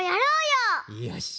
よし。